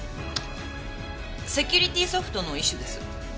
セキュリティーソフトの一種です。